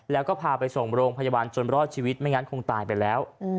แล้วก็พาไปส่งโรงพยาบาลจนรอดชีวิตไม่งั้นคงตายไปแล้ว